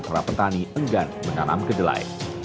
para petani enggan menanam kedelai